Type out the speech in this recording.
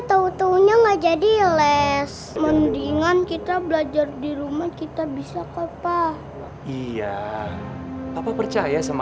tau taunya nggak jadi les mendingan kita belajar di rumah kita bisa kopah iya apa percaya sama